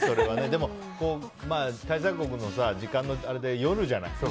でも、開催国の時間のあれで夜じゃない。